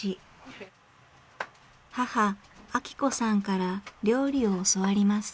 母晃子さんから料理を教わります。